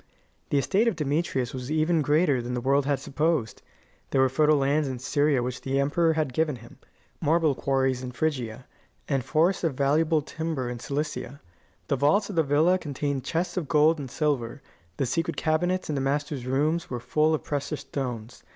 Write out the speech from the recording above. The estate of Demetrius was even greater than the world had supposed. There were fertile lands in Syria which the emperor had given him, marble quarries in Phrygia, and forests of valuable timber in Cilicia; the vaults of the villa contained chests of gold and silver; the secret cabinets in the master's room were full of precious stones.